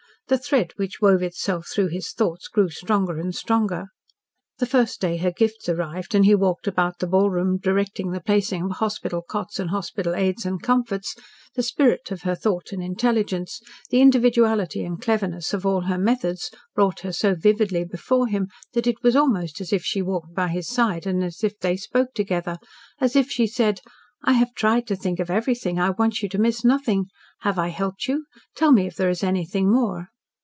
The thread which wove itself through his thoughts grew stronger and stronger. The first day her gifts arrived and he walked about the ballroom ward directing the placing of hospital cots and hospital aids and comforts, the spirit of her thought and intelligence, the individuality and cleverness of all her methods, brought her so vividly before him that it was almost as if she walked by his side, as if they spoke together, as if she said, "I have tried to think of everything. I want you to miss nothing. Have I helped you? Tell me if there is anything more."